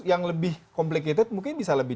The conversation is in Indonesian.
yang lebih complicated mungkin bisa lebih